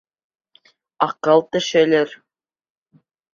— Аҡыл тешелер.